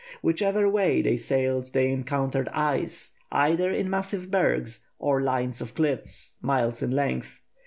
Whichever way they sailed they encountered ice, either in massive bergs, or lines of cliffs, miles in length.